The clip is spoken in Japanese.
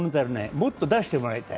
もっと出してもらいたい。